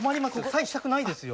サインしたくないですよ。